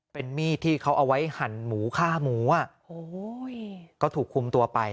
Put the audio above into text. เป็นมีดที่เขาเอาไว้หั่นหมูฆ่าหมูอ่ะโอ้โหก็ถูกคุมตัวไป